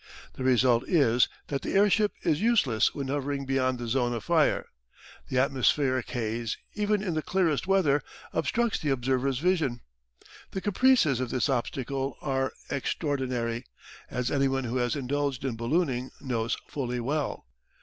The result is that the airship is useless when hovering beyond the zone of fire. The atmospheric haze, even in the clearest weather, obstructs the observer's vision. The caprices of this obstacle are extraordinary, as anyone who has indulged in ballooning knows fully well.